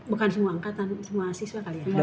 bukan semua angkatan semua mahasiswa kali ya